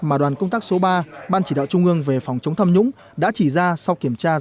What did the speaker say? mà đoàn công tác số ba ban chỉ đạo trung ương về phòng chống tham nhũng đã chỉ ra sau kiểm tra